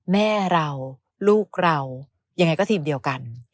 แม่เราลูกเรายังไงก็ทีมเดียวกัน